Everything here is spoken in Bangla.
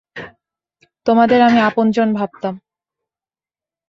তোমাদের আমি আপনজন ভাবতাম।